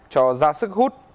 cho ra sức hút